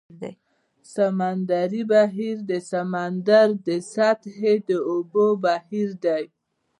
سمندري بهیر د سمندر د سطحې د اوبو بهیر دی.